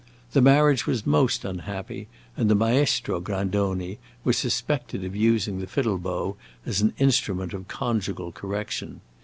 The marriage was most unhappy, and the Maestro Grandoni was suspected of using the fiddle bow as an instrument of conjugal correction.